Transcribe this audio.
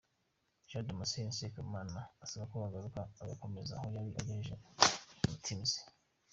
Jean Damascène Sekamana asaba ko yagaruka agakomereza aho yari agejeje, mmtimes.